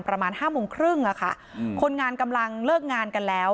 ประมาณห้าโมงครึ่งอะค่ะคนงานกำลังเลิกงานกันแล้ว